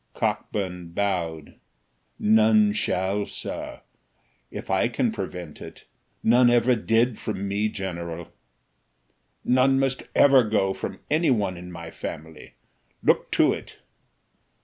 Cockburn bowed "None shall, Sir, if I can prevent it; none ever did from me, general." "None must ever go from anyone in my family look to it."